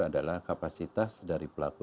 adalah kapasitas dari pelaku